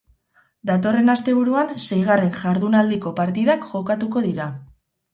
Datorren asteburuan seigarren jardunaldiko partidak jokatuko dira.